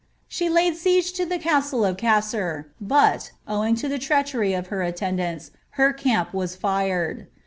She laid siege to the castle of Cesser, but, owing to the treachery of her attendants, her camp was fired.